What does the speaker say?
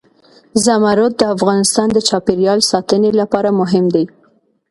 زمرد د افغانستان د چاپیریال ساتنې لپاره مهم دي.